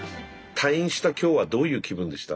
退院したきょうはどういう気分でした？